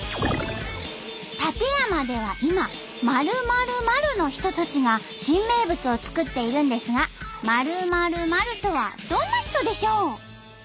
館山では今○○○の人たちが新名物を作っているんですが○○○とはどんな人でしょう？